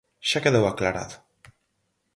Xa quedou aclarado.